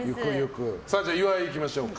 じゃあ、岩井いきましょうか。